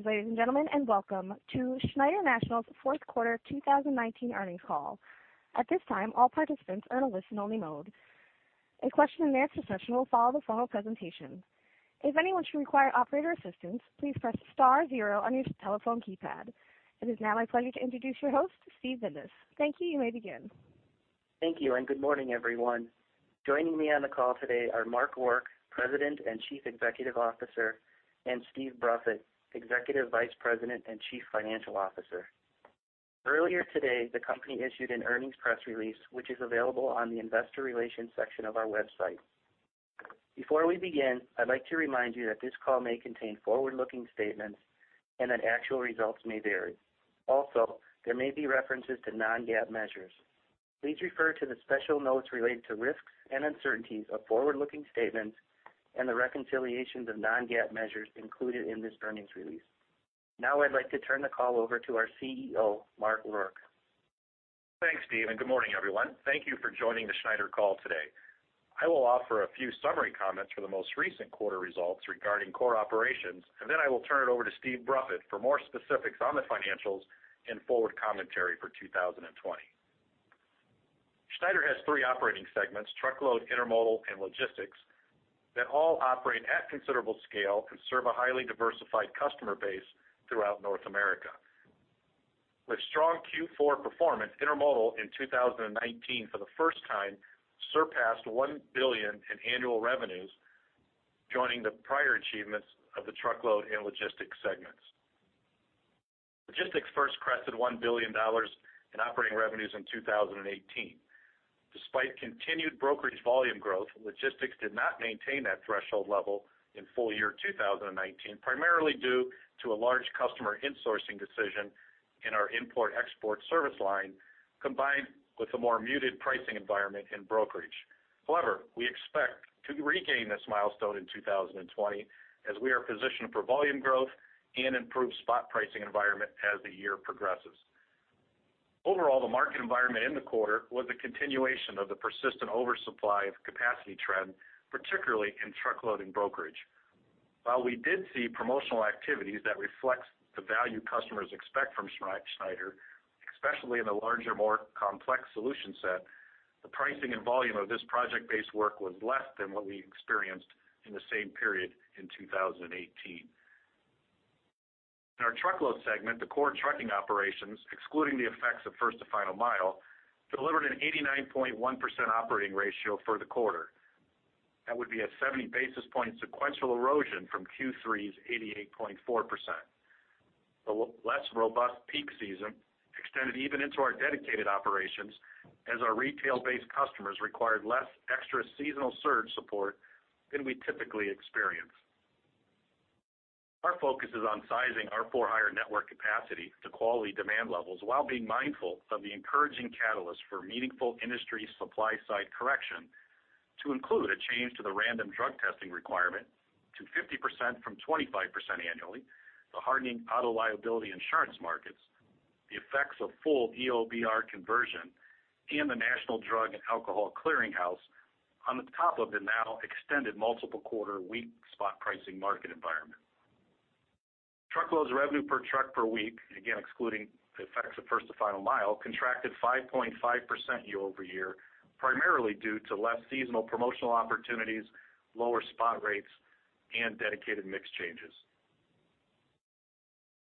Greetings, ladies and gentlemen, and welcome to Schneider National's fourth quarter 2019 earnings call. At this time, all participants are in a listen-only mode. A question-and-answer session will follow the formal presentation. If anyone should require operator assistance, please press star zero on your telephone keypad. It is now my pleasure to introduce your host, Steve Bennis. Thank you. You may begin. Thank you, and good morning, everyone. Joining me on the call today are Mark Rourke, President and Chief Executive Officer, and Steve Bruffett, Executive Vice President and Chief Financial Officer. Earlier today, the company issued an earnings press release, which is available on the investor relations section of our website. Before we begin, I'd like to remind you that this call may contain forward-looking statements and that actual results may vary. Also, there may be references to Non-GAAP measures. Please refer to the special notes related to risks and uncertainties of forward-looking statements and the reconciliations of Non-GAAP measures included in this earnings release. Now I'd like to turn the call over to our CEO, Mark Rourke. Thanks, Steve, and good morning, everyone. Thank you for joining the Schneider call today. I will offer a few summary comments for the most recent quarter results regarding core operations, and then I will turn it over to Steve Bruffett for more specifics on the financials and forward commentary for 2020. Schneider has three operating segments, Truckload, Intermodal, and Logistics, that all operate at considerable scale and serve a highly diversified customer base throughout North America. With strong Q4 performance, Intermodal in 2019, for the first time, surpassed $1 billion in annual revenues, joining the prior achievements of the Truckload and Logistics segments. Logistics first crested $1 billion in operating revenues in 2018. Despite continued brokerage volume growth, Logistics did not maintain that threshold level in full year 2019, primarily due to a large customer insourcing decision in our import-export service line, combined with a more muted pricing environment in brokerage. However, we expect to regain this milestone in 2020 as we are positioned for volume growth and improved spot pricing environment as the year progresses. Overall, the market environment in the quarter was a continuation of the persistent oversupply of capacity trend, particularly in truckload brokerage. While we did see promotional activities that reflects the value customers expect from Schneider, especially in the larger, more complex solution set, the pricing and volume of this project-based work was less than what we experienced in the same period in 2018. In our Truckload segment, the core trucking operations, excluding the effects of First to Final Mile, delivered an 89.1% operating ratio for the quarter. That would be a 70 basis point sequential erosion from Q3's 88.4%. The less robust peak season extended even into our Dedicated operations as our retail-based customers required less extra seasonal surge support than we typically experience. Our focus is on sizing our for-hire network capacity to quality demand levels, while being mindful of the encouraging catalyst for meaningful industry supply-side correction, to include a change to the random drug testing requirement to 50% from 25% annually, the hardening auto liability insurance markets, the effects of full EOBR conversion, and the National Drug and Alcohol Clearinghouse on the top of the now extended multiple quarter weak spot pricing market environment. Truckload's revenue per truck per week, again, excluding the effects of First to Final Mile, contracted 5.5% year-over-year, primarily due to less seasonal promotional opportunities, lower spot rates, and dedicated mix changes.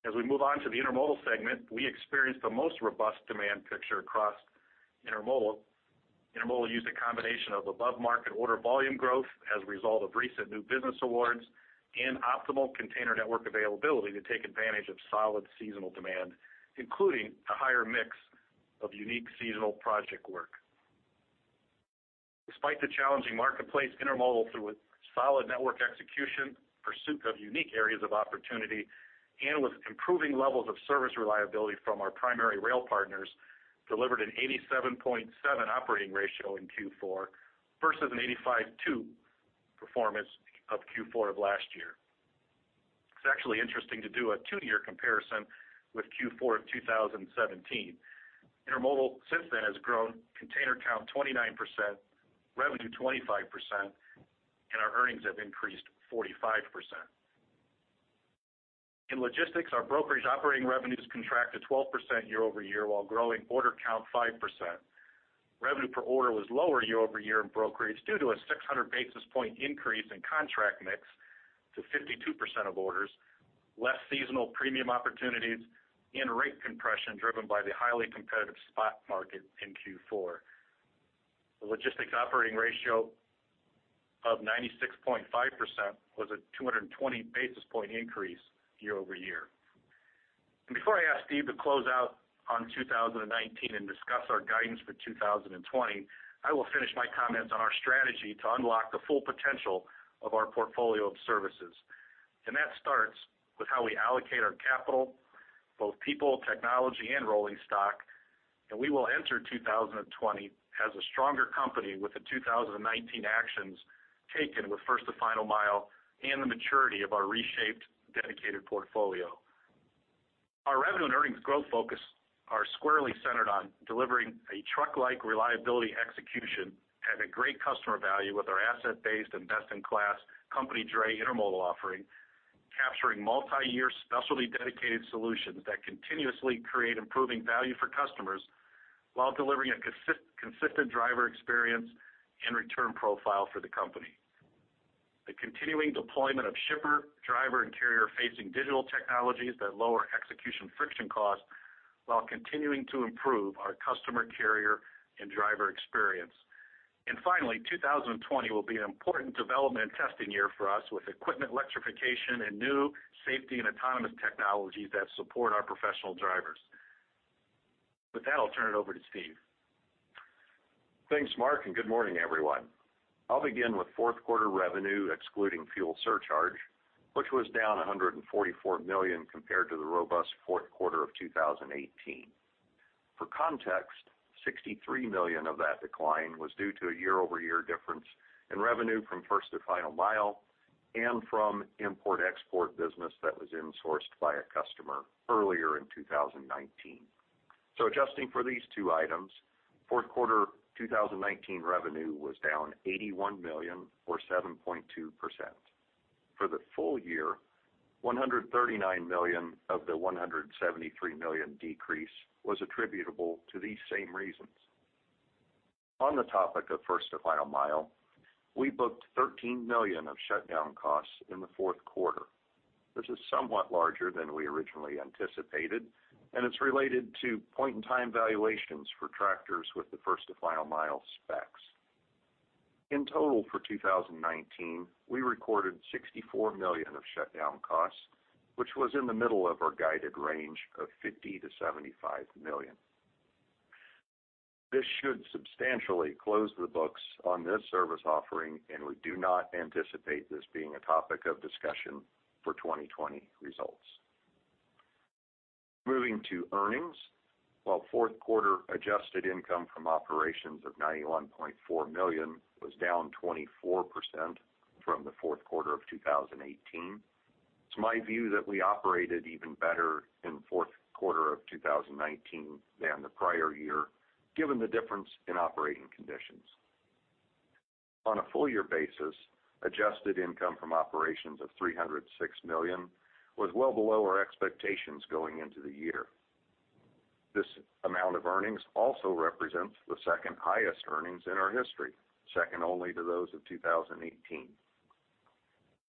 As we move on to the Intermodal segment, we experienced the most robust demand picture across Intermodal. Intermodal used a combination of above-market order volume growth as a result of recent new business awards and optimal container network availability to take advantage of solid seasonal demand, including a higher mix of unique seasonal project work. Despite the challenging marketplace, Intermodal, through a solid network execution, pursuit of unique areas of opportunity, and with improving levels of service reliability from our primary rail partners, delivered an 87.7 operating ratio in Q4, versus an 85.2 performance of Q4 of last year. It's actually interesting to do a two year comparison with Q4 of 2017. Intermodal, since then, has grown container count 29%, revenue 25%, and our earnings have increased 45%. In logistics, our brokerage operating revenues contracted 12% year-over-year, while growing order count 5%. Revenue per order was lower year-over-year in brokerage due to a 600 basis point increase in contract mix to 52% of orders, less seasonal premium opportunities, and rate compression driven by the highly competitive spot market in Q4. The logistics operating ratio of 96.5% was a 220 basis point increase year-over-year. Before I ask Steve to close out on 2019 and discuss our guidance for 2020, I will finish my comments on our strategy to unlock the full potential of our portfolio of services. That starts with how we allocate our capital, both people, technology, and rolling stock, and we will enter 2020 as a stronger company with the 2019 actions taken with First to Final Mile and the maturity of our reshaped Dedicated portfolio... revenue and earnings growth focus are squarely centered on delivering a truck-like reliability execution and a great customer value with our asset-based and best-in-class company dray Intermodal offering, capturing multi-year specialty Dedicated solutions that continuously create improving value for customers while delivering a consistent driver experience and return profile for the company. The continuing deployment of shipper, driver, and carrier-facing digital technologies that lower execution friction costs while continuing to improve our customer, carrier, and driver experience. Finally, 2020 will be an important development and testing year for us, with equipment electrification and new safety and autonomous technologies that support our professional drivers. With that, I'll turn it over to Steve. Thanks, Mark, and good morning, everyone. I'll begin with fourth quarter revenue, excluding fuel surcharge, which was down $144 million compared to the robust fourth quarter of 2018. For context, $63 million of that decline was due to a year-over-year difference in revenue from First to Final Mile and from import-export business that was insourced by a customer earlier in 2019. So adjusting for these two items, fourth quarter 2019 revenue was down $81 million or 7.2%. For the full year, $139 million of the $173 million decrease was attributable to these same reasons. On the topic of First to Final Mile, we booked $13 million of shutdown costs in the fourth quarter. This is somewhat larger than we originally anticipated, and it's related to point-in-time valuations for tractors with the First to Final Mile specs. In total, for 2019, we recorded $64 million of shutdown costs, which was in the middle of our guided range of $50 million-$75 million. This should substantially close the books on this service offering, and we do not anticipate this being a topic of discussion for 2020 results. Moving to earnings. While fourth quarter adjusted income from operations of $91.4 million was down 24% from the fourth quarter of 2018, it's my view that we operated even better in the fourth quarter of 2019 than the prior year, given the difference in operating conditions. On a full year basis, adjusted income from operations of $306 million was well below our expectations going into the year. This amount of earnings also represents the second-highest earnings in our history, second only to those of 2018.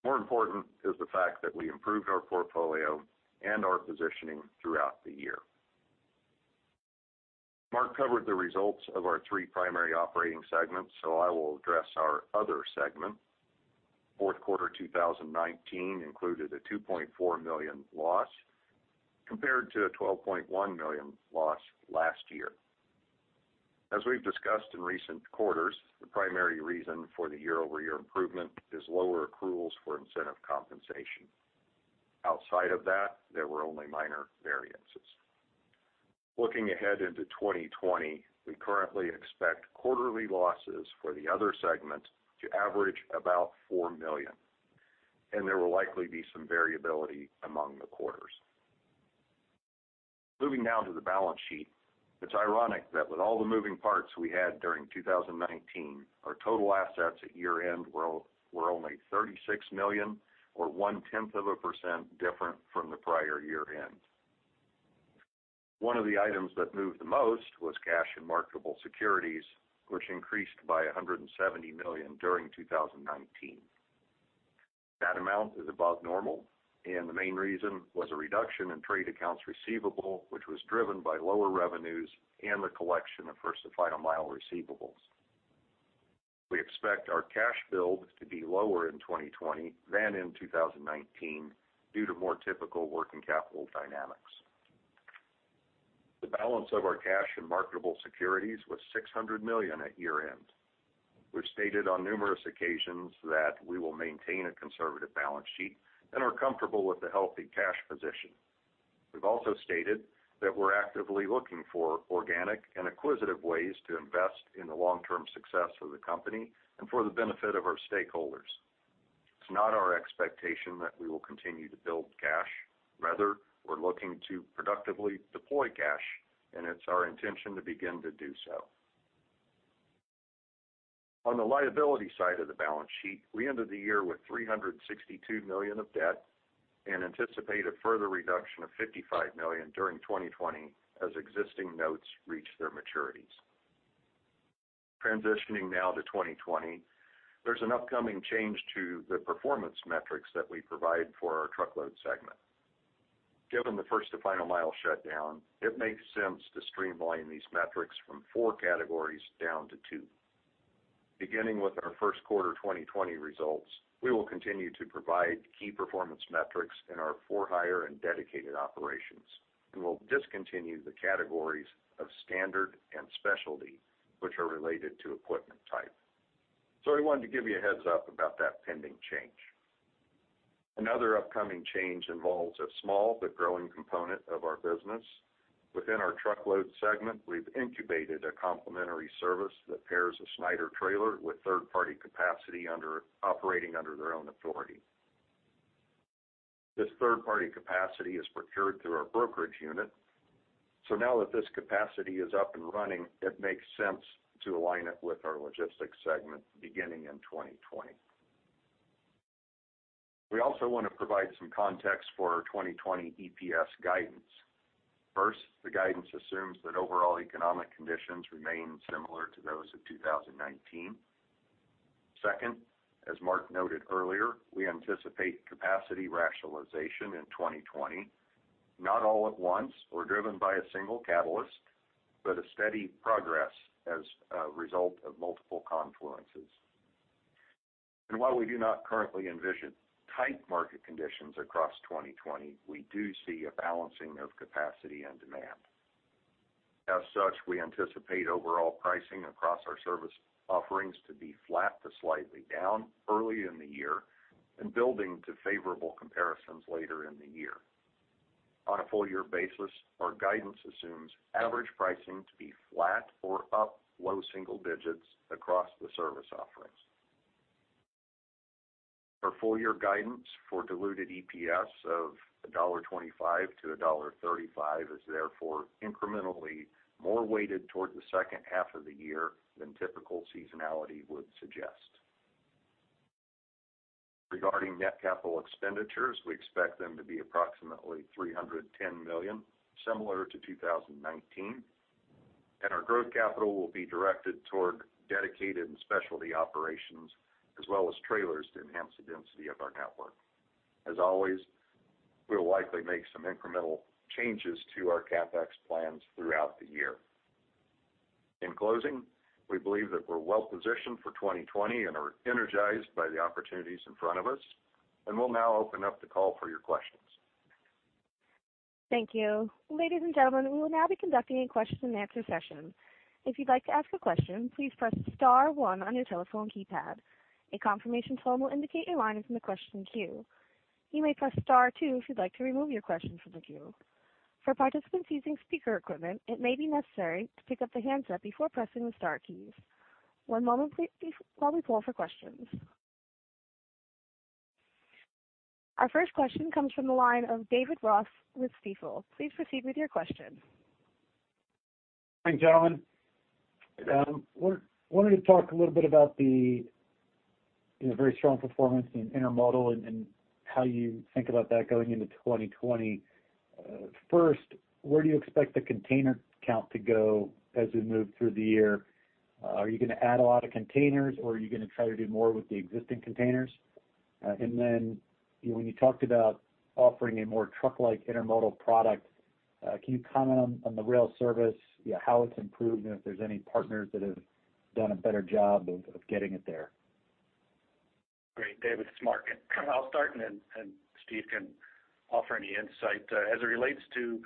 More important is the fact that we improved our portfolio and our positioning throughout the year. Mark covered the results of our three primary operating segments, so I will address our other segment. Fourth quarter 2019 included a $2.4 million loss, compared to a $12.1 million loss last year. As we've discussed in recent quarters, the primary reason for the year-over-year improvement is lower accruals for incentive compensation. Outside of that, there were only minor variances. Looking ahead into 2020, we currently expect quarterly losses for the other segment to average about $4 million, and there will likely be some variability among the quarters. Moving now to the balance sheet, it's ironic that with all the moving parts we had during 2019, our total assets at year-end were only $36 million, or 0.1%, different from the prior year-end. One of the items that moved the most was cash and marketable securities, which increased by $170 million during 2019. That amount is above normal, and the main reason was a reduction in trade accounts receivable, which was driven by lower revenues and the collection of First-to-Final Mile receivables. We expect our cash build to be lower in 2020 than in 2019 due to more typical working capital dynamics. The balance of our cash and marketable securities was $600 million at year-end. We've stated on numerous occasions that we will maintain a conservative balance sheet and are comfortable with the healthy cash position. We've also stated that we're actively looking for organic and acquisitive ways to invest in the long-term success of the company and for the benefit of our stakeholders. It's not our expectation that we will continue to build cash. Rather, we're looking to productively deploy cash, and it's our intention to begin to do so. On the liability side of the balance sheet, we ended the year with $362 million of debt and anticipate a further reduction of $55 million during 2020 as existing notes reach their maturities. Transitioning now to 2020, there's an upcoming change to the performance metrics that we provide for our Truckload segment. Given the First-to-Final-Mile shutdown, it makes sense to streamline these metrics from four categories down to two. Beginning with our first quarter 2020 results, we will continue to provide key performance metrics in our for-hire and dedicated operations. We will discontinue the categories of standard and specialty, which are related to equipment type. So we wanted to give you a heads-up about that pending change. Another upcoming change involves a small but growing component of our business.... Within our Truckload segment, we've incubated a complementary service that pairs a Schneider trailer with third-party capacity operating under their own authority. This third-party capacity is procured through our Brokerage unit. So now that this capacity is up and running, it makes sense to align it with our Logistics segment beginning in 2020. We also want to provide some context for our 2020 EPS guidance. First, the guidance assumes that overall economic conditions remain similar to those of 2019. Second, as Mark noted earlier, we anticipate capacity rationalization in 2020, not all at once or driven by a single catalyst, but a steady progress as a result of multiple confluences. While we do not currently envision tight market conditions across 2020, we do see a balancing of capacity and demand. As such, we anticipate overall pricing across our service offerings to be flat to slightly down early in the year and building to favorable comparisons later in the year. On a full year basis, our guidance assumes average pricing to be flat or up low single digits across the service offerings. Our full year guidance for diluted EPS of $1.25-$1.35 is therefore incrementally more weighted toward the second half of the year than typical seasonality would suggest. Regarding net capital expenditures, we expect them to be approximately $310 million, similar to 2019, and our growth capital will be directed toward dedicated and specialty operations, as well as trailers to enhance the density of our network. As always, we'll likely make some incremental changes to our CapEx plans throughout the year. In closing, we believe that we're well positioned for 2020 and are energized by the opportunities in front of us, and we'll now open up the call for your questions. Thank you. Ladies and gentlemen, we will now be conducting a question-and-answer session. If you'd like to ask a question, please press star one on your telephone keypad. A confirmation tone will indicate your line is in the question queue. You may press star two if you'd like to remove your question from the queue. For participants using speaker equipment, it may be necessary to pick up the handset before pressing the star keys. One moment please, before we call for questions. Our first question comes from the line of David Ross with Stifel. Please proceed with your question. Thanks, gentlemen. Wanted to talk a little bit about the, you know, very strong performance in intermodal and how you think about that going into 2020. First, where do you expect the container count to go as we move through the year? Are you going to add a lot of containers, or are you going to try to do more with the existing containers? And then when you talked about offering a more truck-like intermodal product, can you comment on the rail service, how it's improved, and if there's any partners that have done a better job of getting it there? Great, David, it's Mark. I'll start, and Steve can offer any insight. As it relates to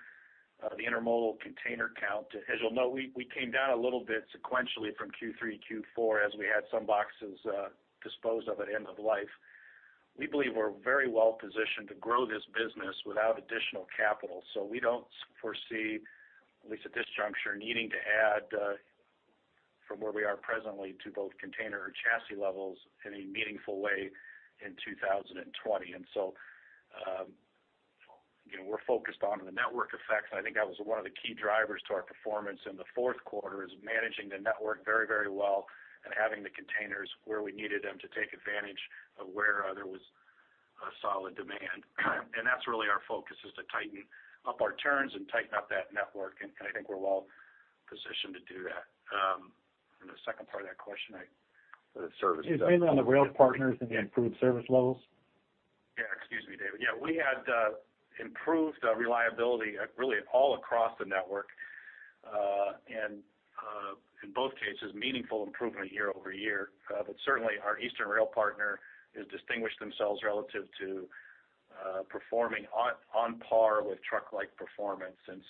the intermodal container count, as you'll know, we came down a little bit sequentially from Q3, Q4, as we had some boxes disposed of at end of life. We believe we're very well positioned to grow this business without additional capital, so we don't foresee, at least at this juncture, needing to add from where we are presently to both container or chassis levels in a meaningful way in 2020. And so, you know, we're focused on the network effect, and I think that was one of the key drivers to our performance in the fourth quarter, is managing the network very, very well and having the containers where we needed them to take advantage of where there was a solid demand. And that's really our focus, is to tighten up our turns and tighten up that network, and, and I think we're well positioned to do that. And the second part of that question, I- The service. It was mainly on the rail partners and the improved service levels. Yeah. Excuse me, David. Yeah, we had improved reliability, really all across the network, and in both cases, meaningful improvement year-over-year. But certainly, our eastern rail partner has distinguished themselves relative to performing on par with truck-like performance. And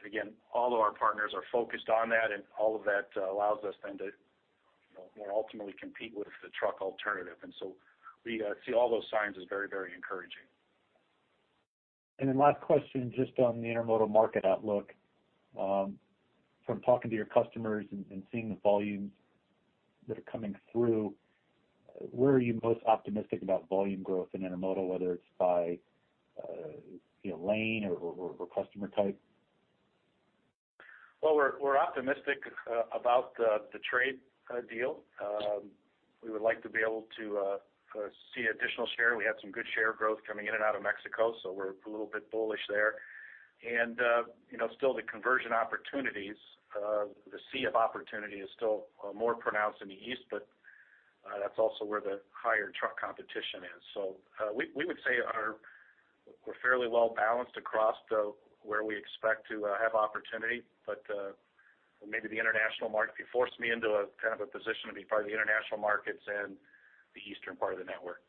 so, again, all of our partners are focused on that, and all of that allows us then to, you know, more ultimately compete with the truck alternative. And so we see all those signs as very, very encouraging. Then last question, just on the intermodal market outlook. From talking to your customers and seeing the volumes that are coming through, where are you most optimistic about volume growth in intermodal, whether it's by, you know, lane or customer type? Well, we're optimistic about the trade deal. We would like to be able to see additional share. We had some good share growth coming in and out of Mexico, so we're a little bit bullish there. And, you know, still the conversion opportunities, the sea of opportunity is still more pronounced in the east, but that's also where the higher truck competition is. So, we would say we're fairly well balanced across the where we expect to have opportunity, but maybe the international market, if you force me into a kind of a position, it'd be probably the international markets and the eastern part of the network.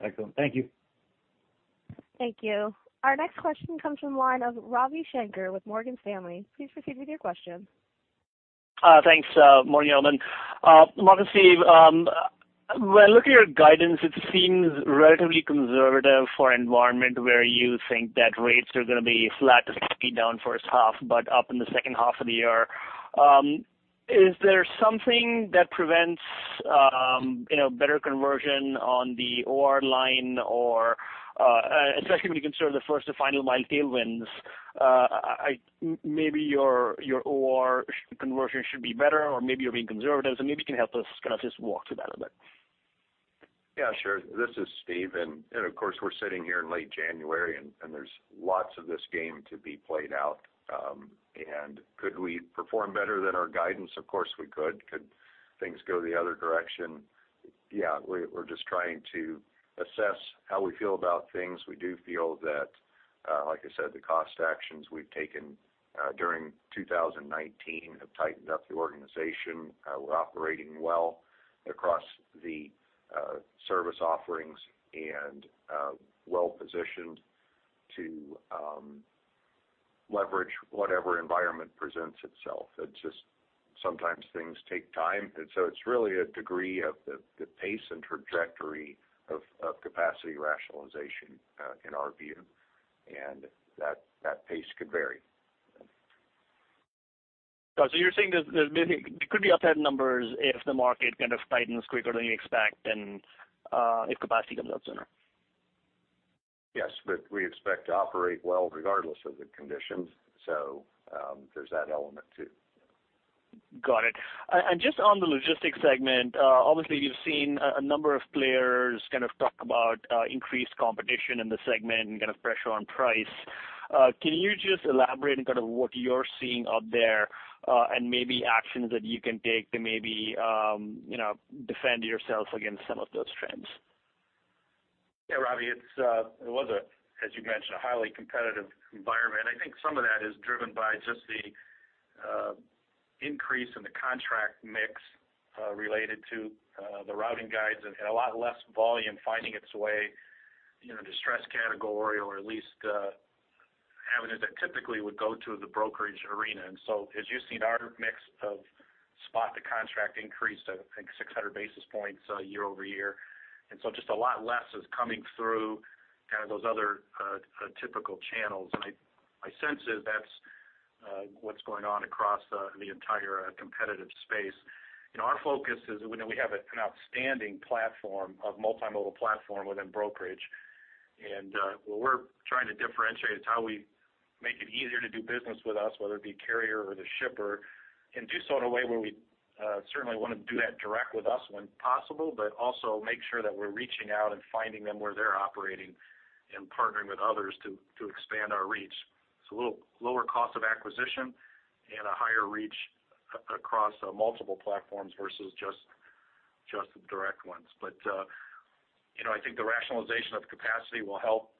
Excellent. Thank you. Thank you. Our next question comes from the line of Ravi Shanker with Morgan Stanley. Please proceed with your question.... Thanks, morning, everyone. Mark and Steve, when looking at your guidance, it seems relatively conservative for environment where you think that rates are going to be flat to slightly down first half, but up in the second half of the year. Is there something that prevents, you know, better conversion on the OR line or, especially when you consider the First to Final Mile tailwinds? Maybe your, your OR conversion should be better, or maybe you're being conservative, so maybe you can help us, kind of just walk through that a bit. Yeah, sure. This is Steve, and of course, we're sitting here in late January, and there's lots of this game to be played out. And could we perform better than our guidance? Of course, we could. Could things go the other direction? Yeah, we're just trying to assess how we feel about things. We do feel that, like I said, the cost actions we've taken during 2019 have tightened up the organization. We're operating well across the service offerings and well positioned to leverage whatever environment presents itself. It's just sometimes things take time, and so it's really a degree of the pace and trajectory of capacity rationalization in our view, and that pace could vary. Got you. So you're saying there, there maybe could be upside numbers if the market kind of tightens quicker than you expect, and if capacity comes out sooner? Yes, but we expect to operate well regardless of the conditions, so, there's that element, too. Got it. And just on the logistics segment, obviously, you've seen a number of players kind of talk about increased competition in the segment and kind of pressure on price. Can you just elaborate on kind of what you're seeing out there, and maybe actions that you can take to maybe, you know, defend yourself against some of those trends? Yeah, Ravi, it was a, as you mentioned, a highly competitive environment. I think some of that is driven by just the increase in the contract mix related to the routing guides and a lot less volume finding its way, you know, to the spot category or at least avenues that typically would go to the brokerage arena. And so, as you've seen, our mix of spot to contract increased, I think, 600 basis points year-over-year, and so just a lot less is coming through kind of those other typical channels. And my sense is that's what's going on across the entire competitive space. You know, our focus is. You know, we have an outstanding platform, a multimodal platform within brokerage, and what we're trying to differentiate. It's how we make it easier to do business with us, whether it be carrier or the shipper, and do so in a way where we certainly want to do that direct with us when possible, but also make sure that we're reaching out and finding them where they're operating and partnering with others to expand our reach. So a little lower cost of acquisition and a higher reach across multiple platforms versus just the direct ones. But you know, I think the rationalization of capacity will help,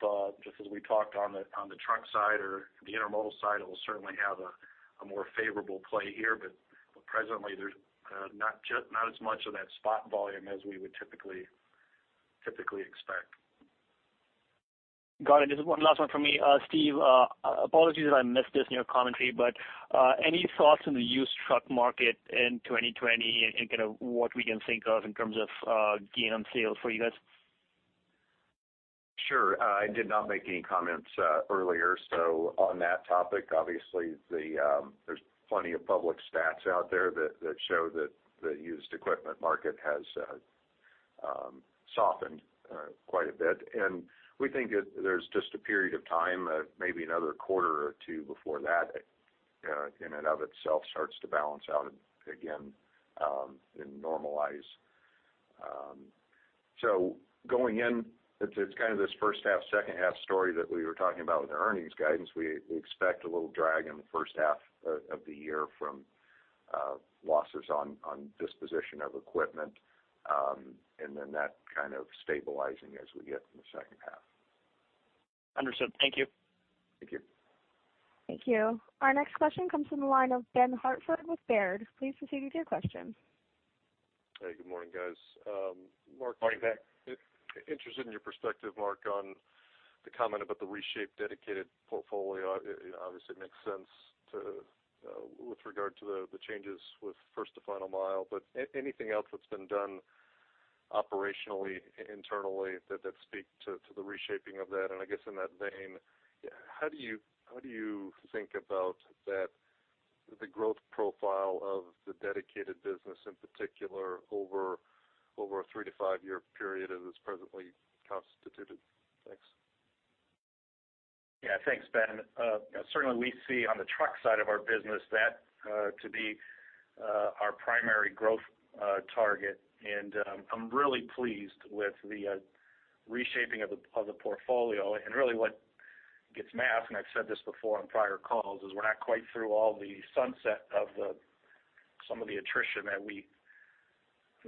just as we talked on the truck side or the intermodal side. It will certainly have a more favorable play here. But presently, there's not as much of that spot volume as we would typically expect. Got it. Just one last one for me. Steve, apologies if I missed this in your commentary, but, any thoughts on the used truck market in 2020 and, and kind of what we can think of in terms of, gain on sales for you guys? Sure. I did not make any comments earlier, so on that topic, obviously, there's plenty of public stats out there that show that the used equipment market has softened quite a bit. And we think that there's just a period of time, maybe another quarter or two before that, in and of itself, starts to balance out again, and normalize. So going in, it's kind of this first half, second half story that we were talking about with our earnings guidance. We expect a little drag in the first half of the year from losses on disposition of equipment, and then that kind of stabilizing as we get in the second half. Understood. Thank you. Thank you. Thank you. Our next question comes from the line of Ben Hartford with Baird. Please proceed with your question. Hey, good morning, guys. Mark- Morning, Ben. Interested in your perspective, Mark, on the comment about the reshaped Dedicated portfolio. Obviously, it makes sense to, with regard to the changes with First to Final Mile, but anything else that's been done operationally, internally, that speak to the reshaping of that? And I guess in that vein, how do you think about that, the growth profile of the Dedicated business, in particular, over a three- to five-year period as it's presently constituted? Thanks. Yeah, thanks, Ben. Certainly, we see on the truck side of our business that to be our primary growth target. I'm really pleased with the reshaping of the portfolio. Really what gets masked, and I've said this before on prior calls, is we're not quite through all the sunset of some of the attrition that we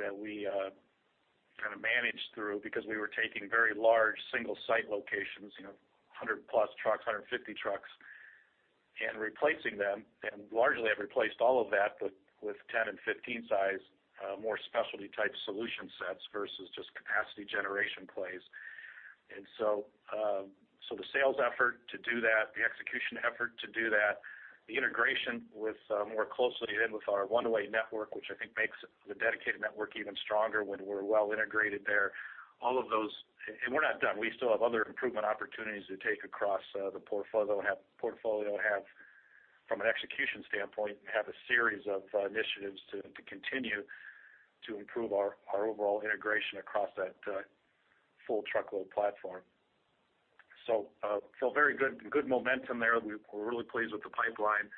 kind of managed through because we were taking very large single site locations, you know, 100+ trucks, 150 trucks, and replacing them, and largely have replaced all of that with 10- and 15-size more specialty-type solution sets versus just capacity generation plays. And so, so the sales effort to do that, the execution effort to do that, the integration with, more closely in with our one-way network, which I think makes the dedicated network even stronger when we're well integrated there, all of those, and we're not done. We still have other improvement opportunities to take across, the portfolio, from an execution standpoint, have a series of, initiatives to continue to improve our overall integration across that full truckload platform. So, feel very good, good momentum there. We're really pleased with the pipeline,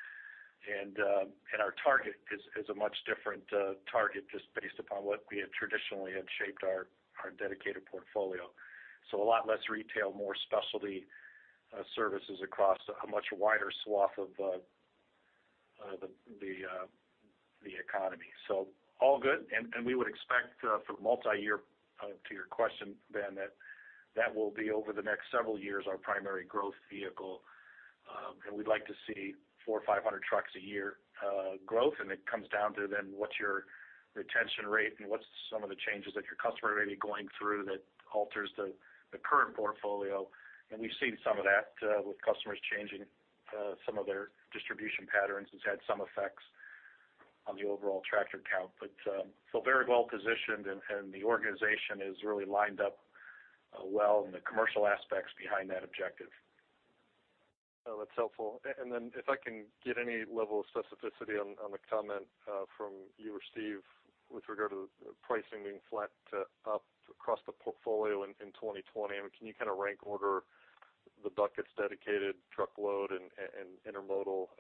and, and our target is a much different target just based upon what we had traditionally had shaped our dedicated portfolio. So a lot less retail, more specialty, services across a much wider swath of the economy. So all good, and we would expect, for the multiyear, to your question, Ben, that that will be over the next several years, our primary growth vehicle, and we'd like to see 400 trucks-500 trucks a year, growth, and it comes down to then what's your retention rate and what's some of the changes that your customer may be going through that alters the, the current portfolio? And we've seen some of that, with customers changing, some of their distribution patterns. It's had some effects on the overall tractor count, but, feel very well positioned, and the organization is really lined up, well in the commercial aspects behind that objective. Well, that's helpful. And then if I can get any level of specificity on the comment from you or Steve with regard to the pricing being flat to up across the portfolio in 2020, I mean, can you kind of rank order the buckets Dedicated, Truckload, and Intermodal,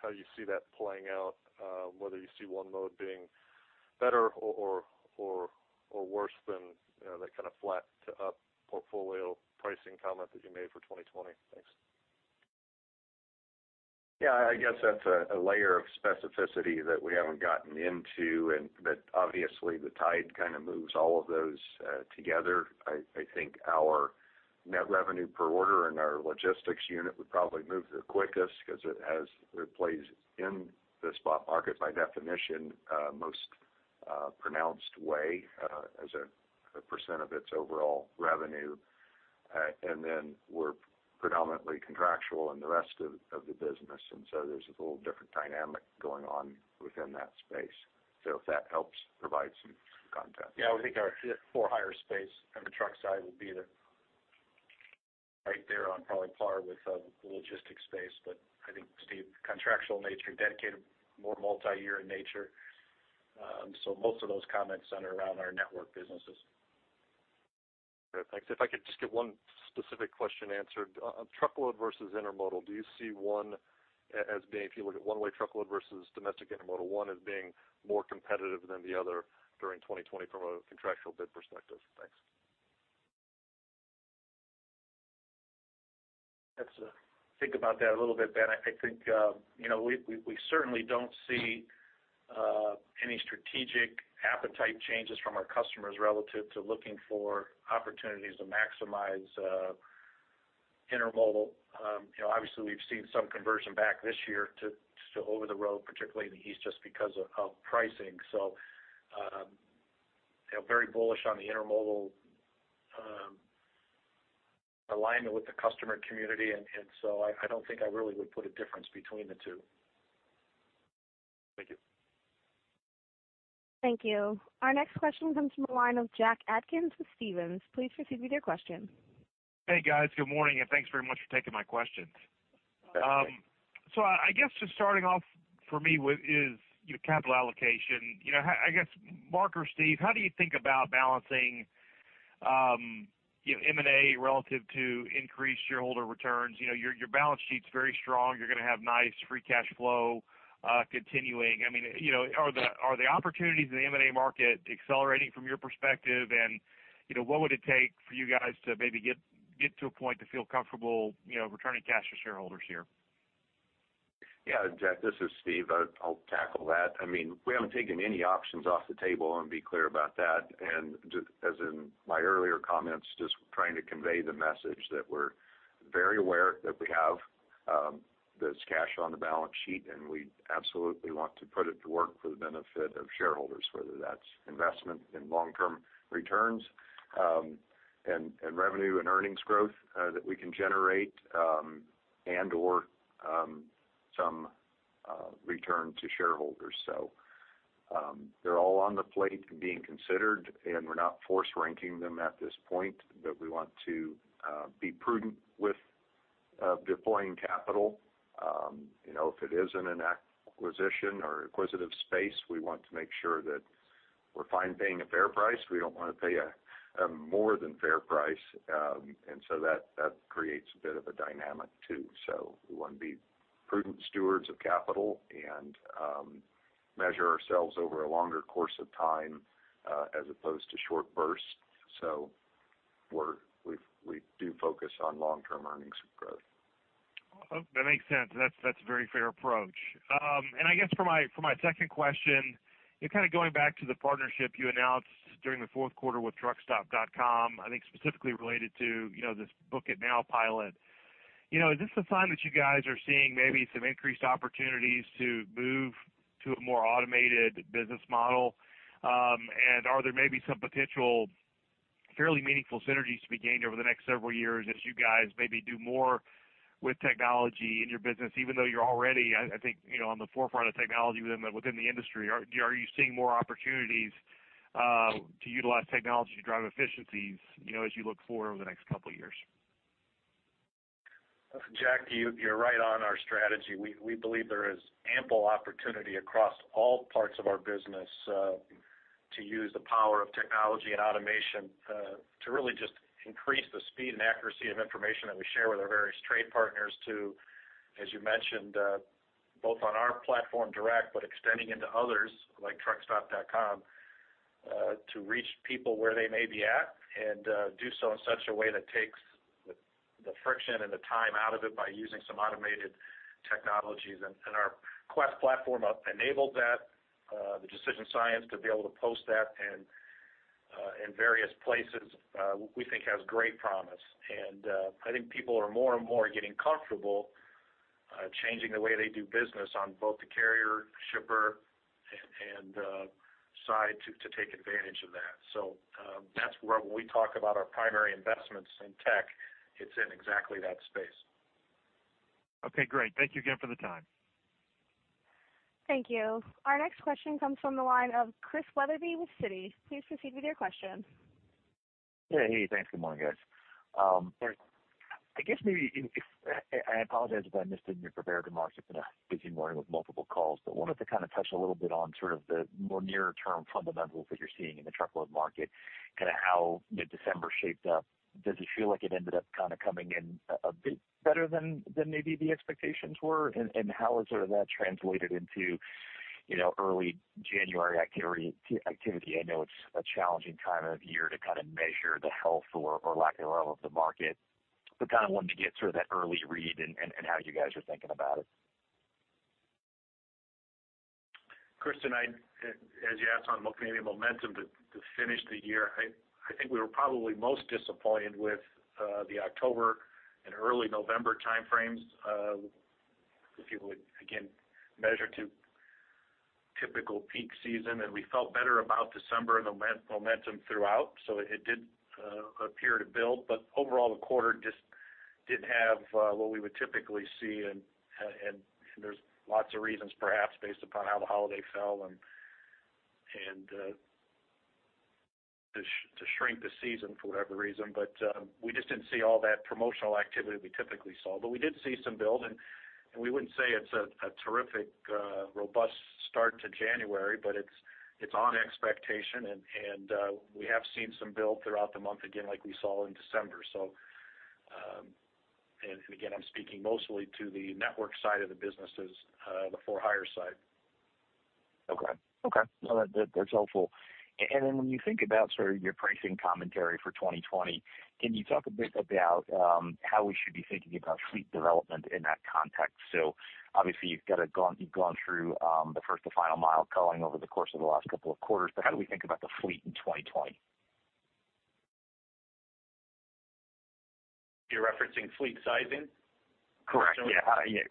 how you see that playing out, whether you see one mode being better or worse than, you know, that kind of flat to up portfolio pricing comment that you made for 2020? Thanks. Yeah, I guess that's a layer of specificity that we haven't gotten into, and but obviously, the tide kind of moves all of those together. I think our net revenue per order in our logistics unit would probably move the quickest because it plays in the spot market, by definition, most pronounced way, as a percent of its overall revenue. And then we're predominantly contractual in the rest of the business, and so there's a little different dynamic going on within that space. So if that helps provide some context. Yeah, I would think our for-hire space on the truck side would be right there on probably par with the logistics space. But I think, Steve, contractual nature, dedicated, more multiyear in nature. So most of those comments center around our network businesses. Great. Thanks. If I could just get one specific question answered. On truckload versus intermodal, do you see one as being, if you look at one-way truckload versus domestic intermodal, one as being more competitive than the other during 2020 from a contractual bid perspective? Thanks. Think about that a little bit, Ben. I think, you know, we, we, we certainly don't see any strategic appetite changes from our customers relative to looking for opportunities to maximize intermodal. You know, obviously, we've seen some conversion back this year to over the road, particularly in the East, just because of pricing. So, you know, very bullish on the intermodal alignment with the customer community, and so I don't think I really would put a difference between the two. Thank you. Thank you. Our next question comes from the line of Jack Atkins with Stephens. Please proceed with your question. Hey, guys. Good morning, and thanks very much for taking my questions. So I guess just starting off for me with is, you know, capital allocation. You know, how, I guess, Mark or Steve, how do you think about balancing, you know, M&A relative to increased shareholder returns? You know, your, your balance sheet's very strong. You're going to have nice free cash flow, continuing. I mean, you know, are the, are the opportunities in the M&A market accelerating from your perspective? And, you know, what would it take for you guys to maybe get, get to a point to feel comfortable, you know, returning cash to shareholders here? Yeah, Jack, this is Steve. I'll tackle that. I mean, we haven't taken any options off the table, I'll be clear about that. And just as in my earlier comments, just trying to convey the message that we're very aware that we have this cash on the balance sheet, and we absolutely want to put it to work for the benefit of shareholders, whether that's investment in long-term returns, and revenue and earnings growth that we can generate, and/or some return to shareholders. So, they're all on the plate and being considered, and we're not force ranking them at this point. But we want to be prudent with deploying capital. You know, if it is in an acquisition or acquisitive space, we want to make sure that we're fine paying a fair price. We don't want to pay a more than fair price, and so that creates a bit of a dynamic, too. So we want to be prudent stewards of capital and measure ourselves over a longer course of time as opposed to short bursts. So we do focus on long-term earnings growth. That makes sense. That's, that's a very fair approach. And I guess for my, for my second question, and kind of going back to the partnership you announced during the fourth quarter with Truckstop.com, I think specifically related to, you know, this Book It Now pilot.... You know, is this a sign that you guys are seeing maybe some increased opportunities to move to a more automated business model? And are there maybe some potential fairly meaningful synergies to be gained over the next several years as you guys maybe do more with technology in your business, even though you're already, I, I think, you know, on the forefront of technology within the, within the industry? Are, are you seeing more opportunities to utilize technology to drive efficiencies, you know, as you look forward over the next couple of years? Jack, you're right on our strategy. We believe there is ample opportunity across all parts of our business to use the power of technology and automation to really just increase the speed and accuracy of information that we share with our various trade partners to, as you mentioned, both on our platform direct, but extending into others, like Truckstop.com, to reach people where they may be at, and do so in such a way that takes the friction and the time out of it by using some automated technologies. And our Quest platform enabled that, the decision science to be able to post that and in various places we think has great promise. I think people are more and more getting comfortable, changing the way they do business on both the carrier, shipper, and side to take advantage of that. So, that's where, when we talk about our primary investments in tech, it's in exactly that space. Okay, great. Thank you again for the time. Thank you. Our next question comes from the line of Chris Wetherbee with Citi. Please proceed with your question. Yeah, hey, thanks. Good morning, guys. I guess maybe I apologize if I missed it in your prepared remarks. It's been a busy morning with multiple calls, but wanted to kind of touch a little bit on sort of the more nearer term fundamentals that you're seeing in the truckload market, kind of how mid-December shaped up. Does it feel like it ended up kind of coming in a bit better than maybe the expectations were? And how has sort of that translated into, you know, early January activity? I know it's a challenging time of year to kind of measure the health or lack thereof of the market, but kind of wanted to get sort of that early read and how you guys are thinking about it. Chris, tonight, as you asked on maybe the momentum to finish the year, I think we were probably most disappointed with the October and early November time frames, if you would, again, measure to typical peak season. And we felt better about December and the momentum throughout, so it did appear to build. But overall, the quarter just didn't have what we would typically see, and there's lots of reasons, perhaps, based upon how the holiday fell and to shrink the season for whatever reason. But we just didn't see all that promotional activity we typically saw. But we did see some build, and we wouldn't say it's a terrific robust start to January, but it's on expectation, and we have seen some build throughout the month, again, like we saw in December. So. And again, I'm speaking mostly to the network side of the businesses, the for-hire side. Okay. Okay, well, that, that's helpful. And then when you think about sort of your pricing commentary for 2020, can you talk a bit about how we should be thinking about fleet development in that context? So obviously, you've gone through the First to Final Mile culling over the course of the last couple of quarters, but how do we think about the fleet in 2020? You're referencing fleet sizing? Correct. Yeah. Yeah,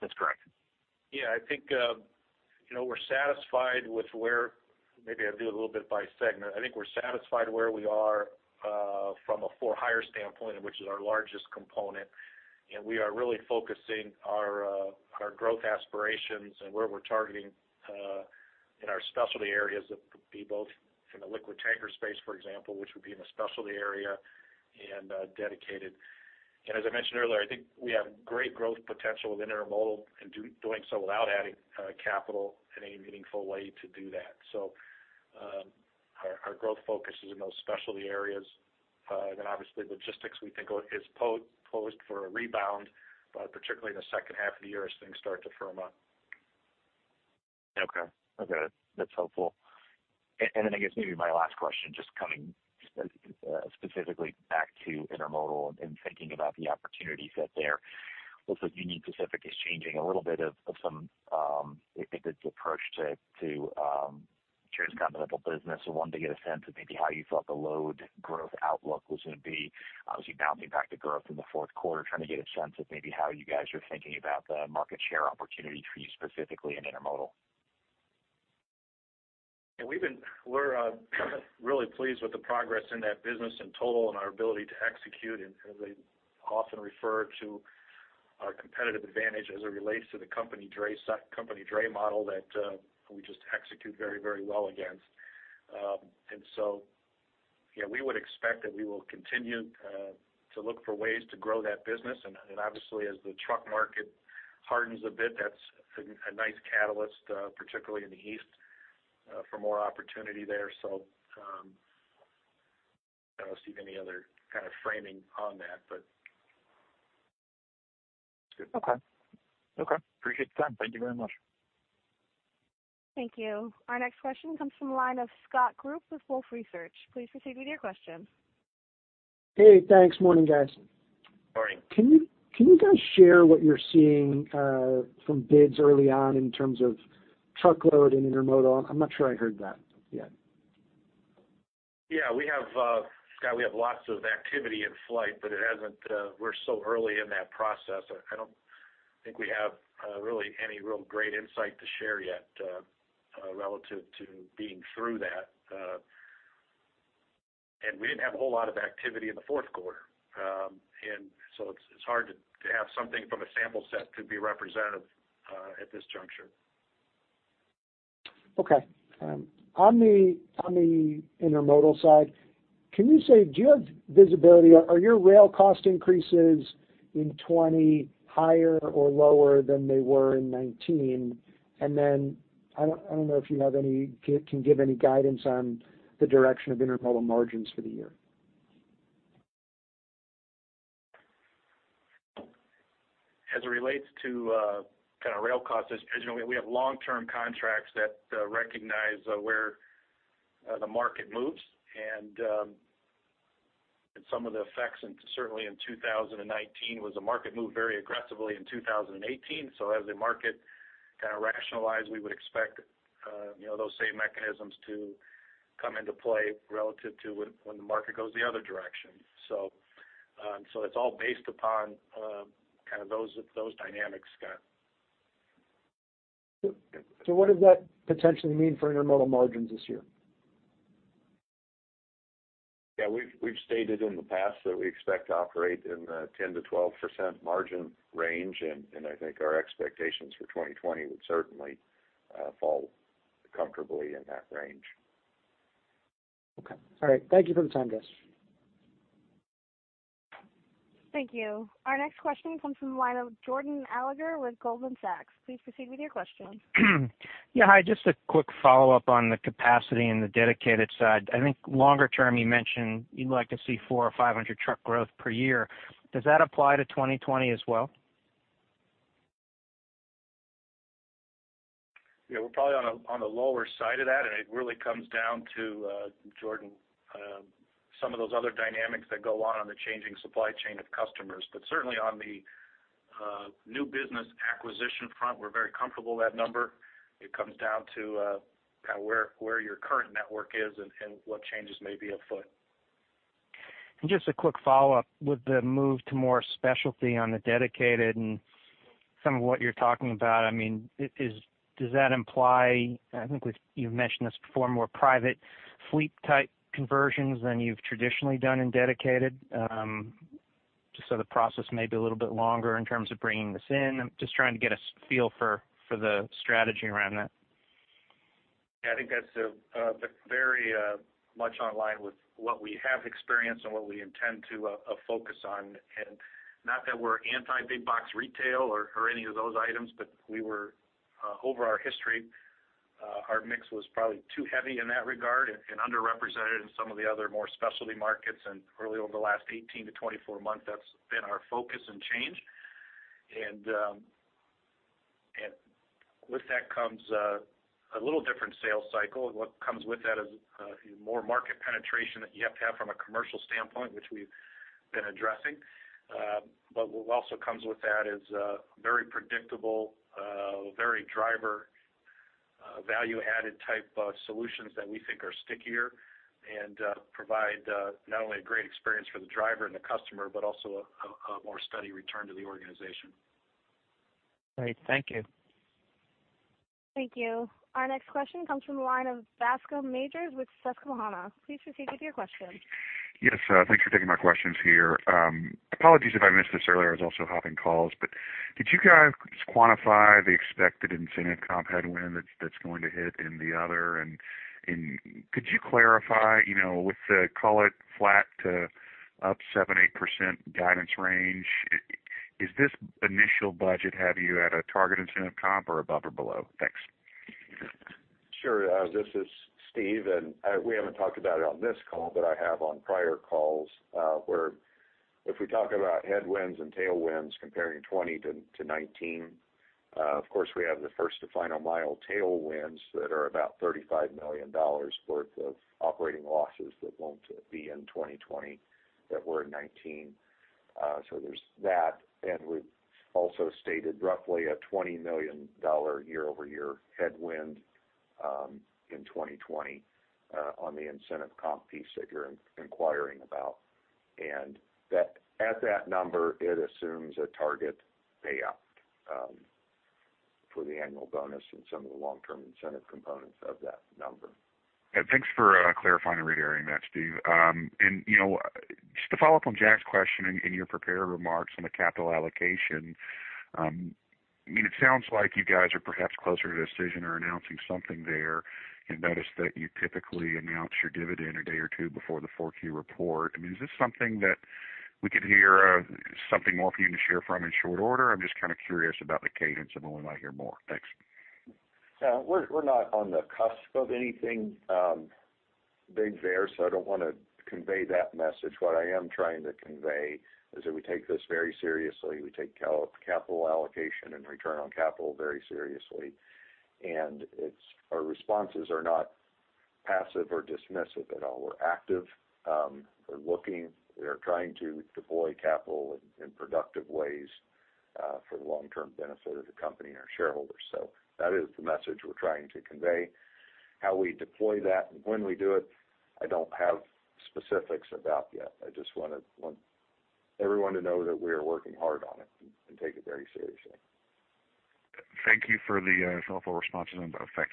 that's correct. Yeah, I think, you know, we're satisfied with where... Maybe I'll do it a little bit by segment. I think we're satisfied where we are, from a for-hire standpoint, which is our largest component, and we are really focusing our, our growth aspirations and where we're targeting, in our specialty areas, that would be both in the liquid tanker space, for example, which would be in the specialty area, and, dedicated. And as I mentioned earlier, I think we have great growth potential within intermodal and doing so without adding, capital in a meaningful way to do that. So, our, our growth focus is in those specialty areas. Then obviously, logistics, we think of, is poised for a rebound, particularly in the second half of the year as things start to firm up. Okay. Okay, that's helpful. And, and then I guess maybe my last question, just coming specifically back to intermodal and thinking about the opportunities that there. It looks like Union Pacific is changing a little bit of, of some, if it's approach to, to, transcontinental business. I wanted to get a sense of maybe how you thought the load growth outlook was going to be, obviously bouncing back to growth in the fourth quarter, trying to get a sense of maybe how you guys are thinking about the market share opportunity for you specifically in intermodal. Yeah, we've been- we're really pleased with the progress in that business in total and our ability to execute, and as I often refer to our competitive advantage as it relates to the company dray model that we just execute very, very well against. And so, yeah, we would expect that we will continue to look for ways to grow that business. And, obviously, as the truck market hardens a bit, that's a nice catalyst, particularly in the East, for more opportunity there. So, I don't see any other kind of framing on that, but- Okay. Okay, appreciate the time. Thank you very much. Thank you. Our next question comes from the line of Scott Group with Wolfe Research. Please proceed with your question. Hey, thanks. Morning, guys. Morning. Can you, can you guys share what you're seeing from bids early on in terms of truckload and intermodal? I'm not sure I heard that yet.... Yeah, we have, Scott, we have lots of activity in flight, but it hasn't, we're so early in that process. I don't think we have really any real great insight to share yet, relative to being through that. And we didn't have a whole lot of activity in the fourth quarter. And so it's hard to have something from a sample set to be representative at this juncture. Okay. On the intermodal side, can you say, do you have visibility? Are your rail cost increases in 2020 higher or lower than they were in 2019? And then, I don't know if you can give any guidance on the direction of intermodal margins for the year. As it relates to kind of rail costs, as you know, we have long-term contracts that recognize where the market moves. And some of the effects, and certainly in 2019, was the market moved very aggressively in 2018. So as the market kind of rationalized, we would expect, you know, those same mechanisms to come into play relative to when the market goes the other direction. So it's all based upon kind of those dynamics, Scott. So, what does that potentially mean for intermodal margins this year? Yeah, we've stated in the past that we expect to operate in the 10%-12% margin range, and I think our expectations for 2020 would certainly fall comfortably in that range. Okay. All right, thank you for the time, guys. Thank you. Our next question comes from the line of Jordan Alliger with Goldman Sachs. Please proceed with your question. Yeah, hi, just a quick follow-up on the capacity and the dedicated side. I think longer term, you mentioned you'd like to see 400 truck or 500 truck growth per year. Does that apply to 2020 as well? Yeah, we're probably on the lower side of that, and it really comes down to, Jordan, some of those other dynamics that go on the changing supply chain of customers. But certainly on the new business acquisition front, we're very comfortable with that number. It comes down to, kind of where your current network is and what changes may be afoot. Just a quick follow-up. With the move to more specialty on the dedicated and some of what you're talking about, I mean, does that imply, I think we've, you've mentioned this before, more private fleet-type conversions than you've traditionally done in dedicated? Just so the process may be a little bit longer in terms of bringing this in. I'm just trying to get a feel for the strategy around that. Yeah, I think that's very much online with what we have experienced and what we intend to focus on. And not that we're anti-big box retail or any of those items, but we were over our history our mix was probably too heavy in that regard and underrepresented in some of the other more specialty markets. And really over the last 18 months-24 months, that's been our focus and change. And with that comes a little different sales cycle. What comes with that is more market penetration that you have to have from a commercial standpoint, which we've been addressing. But what also comes with that is very predictable, very driver value-added type of solutions that we think are stickier and provide not only a great experience for the driver and the customer, but also a more steady return to the organization. Great. Thank you. Thank you. Our next question comes from the line of Bascome Majors with Susquehanna. Please proceed with your question. Yes, thanks for taking my questions here. Apologies if I missed this earlier, I was also hopping calls. But could you guys quantify the expected incentive comp headwind that's going to hit in the other? And could you clarify, you know, with the, call it, flat to up 7%-8% guidance range, is this initial budget have you at a target incentive comp or above or below? Thanks. Sure. This is Steve, and we haven't talked about it on this call, but I have on prior calls, where if we talk about headwinds and tailwinds comparing 2020-2019, of course, we have the First to Final Mile tailwinds that are about $35 million worth of operating losses that won't be in 2020, that were in 2019. So there's that, and we've also stated roughly a $20 million year-over-year headwind in 2020 on the incentive comp piece that you're inquiring about. And that, at that number, it assumes a target payout for the annual bonus and some of the long-term incentive components of that number. Thanks for clarifying and reiterating that, Steve. You know, just to follow up on Jack's question in your prepared remarks on the capital allocation, I mean, it sounds like you guys are perhaps closer to a decision or announcing something there, and notice that you typically announce your dividend a day or two before the 4Q report. I mean, is this something that we could hear something more from you to share from in short order? I'm just kind of curious about the cadence of when we might hear more. Thanks. We're not on the cusp of anything big there, so I don't want to convey that message. What I am trying to convey is that we take this very seriously. We take capital allocation and return on capital very seriously, and it's our responses are not passive or dismissive at all. We're active, we're looking, we're trying to deploy capital in productive ways for the long-term benefit of the company and our shareholders. So that is the message we're trying to convey. How we deploy that, and when we do it, I don't have specifics about yet. I just want everyone to know that we are working hard on it and take it very seriously. Thank you for the thoughtful response on that. Thanks.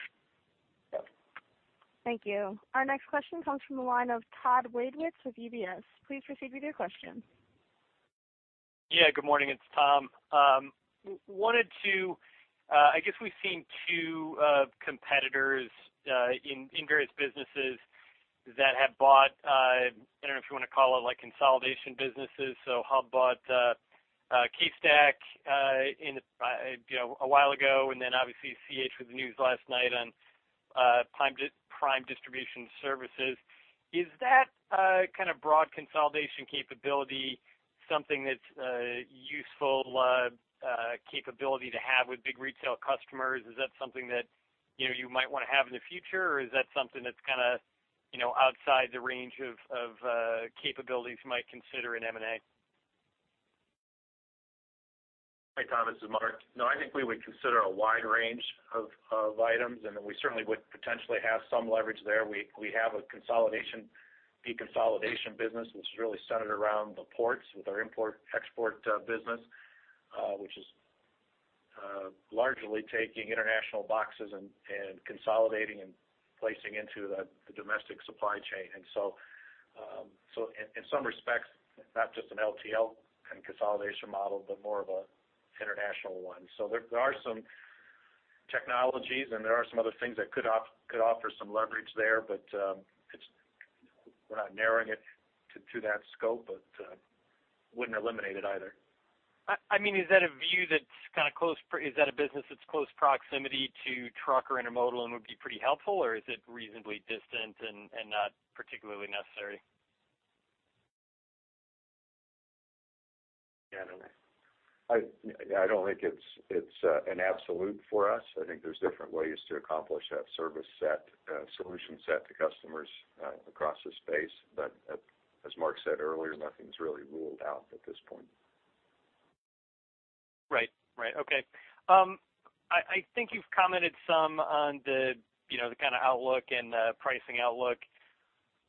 Thank you. Our next question comes from the line of Thomas Wadewitz with UBS. Please proceed with your question. Yeah, good morning, it's Tom. Wanted to, I guess we've seen two competitors in various businesses that have bought, I don't know if you want to call it, like, consolidation businesses. So Hub bought CaseStack in, you know, a while ago, and then obviously C.H. Robinson with the news last night on Prime Distribution Services. Is that kind of broad consolidation capability something that's a useful capability to have with big retail customers? Is that something that, you know, you might want to have in the future? Or is that something that's kind of, you know, outside the range of capabilities you might consider in M&A? Hi, Tom, this is Mark. No, I think we would consider a wide range of items, and we certainly would potentially have some leverage there. We have a consolidation, deconsolidation business, which is really centered around the ports with our import-export business, which is largely taking international boxes and consolidating and placing into the domestic supply chain. So in some respects, not just an LTL kind of consolidation model, but more of an international one. So there are some technologies, and there are some other things that could offer some leverage there, but it's... We're not narrowing it to that scope, but wouldn't eliminate it either. I mean, is that a view that's kind of close, is that a business that's close proximity to truck or intermodal and would be pretty helpful, or is it reasonably distant and not particularly necessary? Yeah, I don't think it's an absolute for us. I think there's different ways to accomplish that service set, solution set to customers, across the space. But as Mark said earlier, nothing's really ruled out at this point. Right. Right. Okay. I think you've commented some on the, you know, the kind of outlook and, pricing outlook.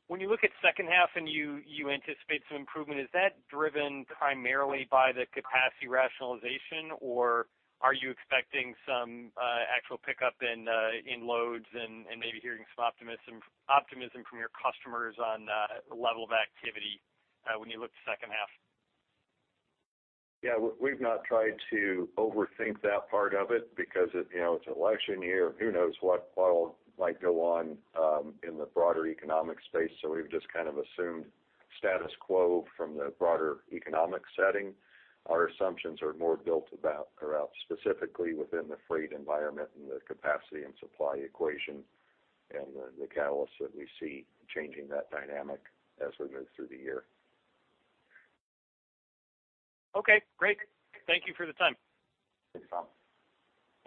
When you look at second half and you anticipate some improvement, is that driven primarily by the capacity rationalization, or are you expecting some actual pickup in in loads and maybe hearing some optimism, optimism from your customers on the level of activity, when you look second half? Yeah, we've not tried to overthink that part of it because it, you know, it's an election year. Who knows what all might go on in the broader economic space? So we've just kind of assumed status quo from the broader economic setting. Our assumptions are more built about, around specifically within the freight environment and the capacity and supply equation, and the catalysts that we see changing that dynamic as we move through the year. Okay, great. Thank you for the time. Thanks, Tom.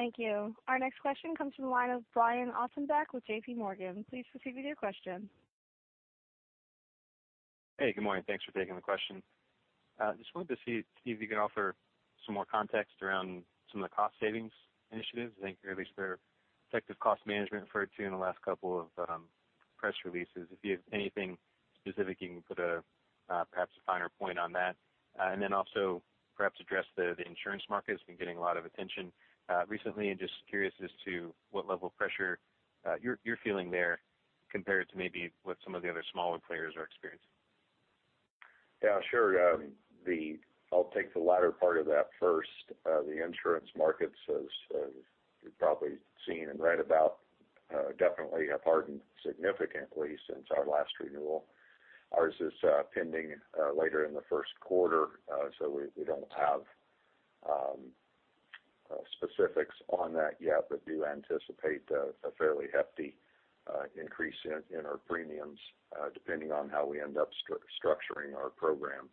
Thank you. Our next question comes from the line of Brian Ossenbeck with J.P. Morgan. Please proceed with your question. Hey, good morning. Thanks for taking the question. Just wanted to see if you could offer some more context around some of the cost savings initiatives. I think at least they're effective cost management referred to in the last couple of press releases. If you have anything specific, you can put perhaps a finer point on that. And then also perhaps address the insurance market has been getting a lot of attention recently, and just curious as to what level of pressure you're feeling there compared to maybe what some of the other smaller players are experiencing. Yeah, sure. The... I'll take the latter part of that first. The insurance markets, as you've probably seen and read about, definitely have hardened significantly since our last renewal. Ours is pending later in the first quarter, so we don't have specifics on that yet, but do anticipate a fairly hefty increase in our premiums, depending on how we end up structuring our program.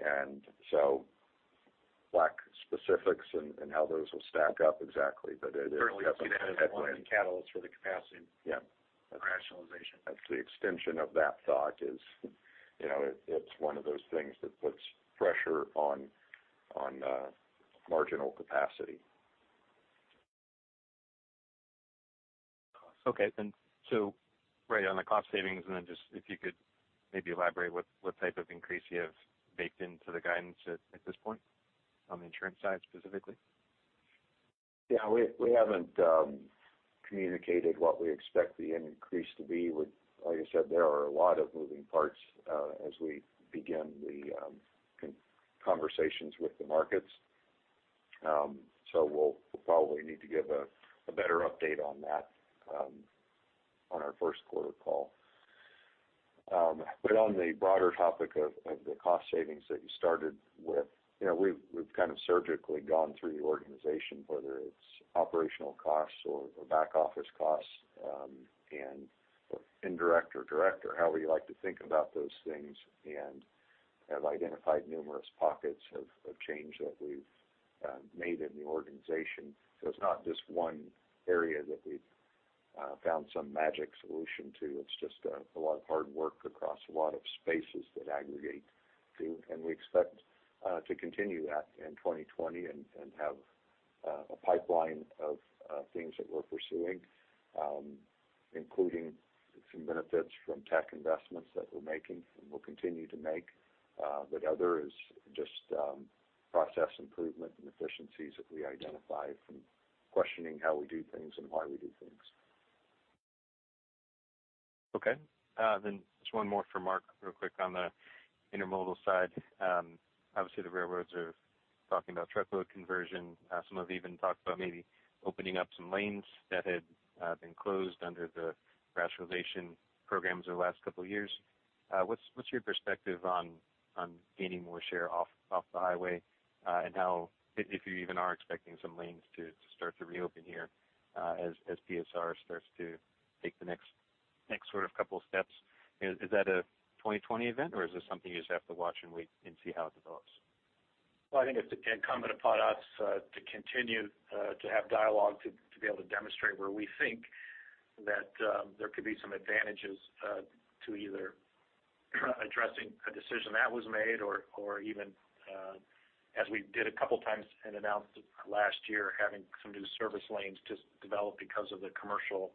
And so lack specifics in how those will stack up exactly, but it is definitely- Currently seen as one of the catalysts for the capacity- Yeah. - rationalization. That's the extension of that thought is, you know, it, it's one of those things that puts pressure on marginal capacity. Okay. Then so, right on the cost savings, and then just if you could maybe elaborate what, what type of increase you have baked into the guidance at, at this point on the insurance side, specifically? Yeah, we haven't communicated what we expect the increase to be. With like I said, there are a lot of moving parts as we begin the conversations with the markets. So we'll probably need to give a better update on that on our first quarter call. But on the broader topic of the cost savings that you started with, you know, we've kind of surgically gone through the organization, whether it's operational costs or the back office costs, and indirect or direct, or how we like to think about those things, and have identified numerous pockets of change that we've made in the organization. So it's not just one area that we've found some magic solution to. It's just a lot of hard work across a lot of spaces that aggregate to, and we expect to continue that in 2020 and have a pipeline of things that we're pursuing, including some benefits from tech investments that we're making and will continue to make. But other is just process improvement and efficiencies that we identify from questioning how we do things and why we do things. Okay. Then just one more for Mark, real quick, on the intermodal side. Obviously, the railroads are talking about truckload conversion. Some have even talked about maybe opening up some lanes that had been closed under the rationalization programs over the last couple of years. What's your perspective on gaining more share off the highway? And how, if you even are expecting some lanes to start to reopen here, as PSR starts to take the next sort of couple steps? Is that a 2020 event, or is this something you just have to watch and wait and see how it develops? Well, I think it's incumbent upon us to continue to have dialogue to be able to demonstrate where we think that there could be some advantages to either addressing a decision that was made or even, as we did a couple of times and announced last year, having some new service lanes just develop because of the commercial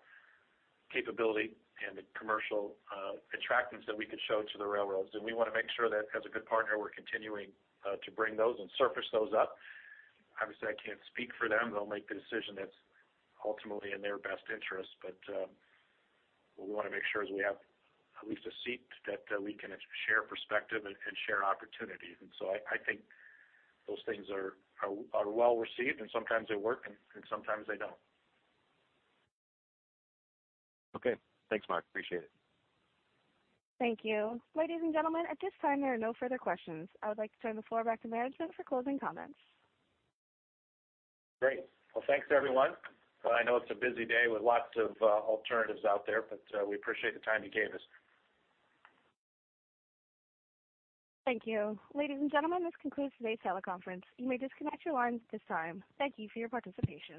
capability and the commercial attractiveness that we could show to the railroads. And we want to make sure that as a good partner, we're continuing to bring those and surface those up. Obviously, I can't speak for them. They'll make the decision that's ultimately in their best interest. But what we wanna make sure is we have at least a seat that we can share perspective and share opportunities. And so I think those things are well received, and sometimes they work, and sometimes they don't. Okay. Thanks, Mark. Appreciate it. Thank you. Ladies and gentlemen, at this time, there are no further questions. I would like to turn the floor back to management for closing comments. Great! Well, thanks, everyone. I know it's a busy day with lots of alternatives out there, but we appreciate the time you gave us. Thank you. Ladies and gentlemen, this concludes today's teleconference. You may disconnect your lines at this time. Thank you for your participation.